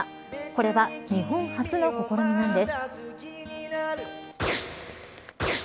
これは日本初の試みなんです。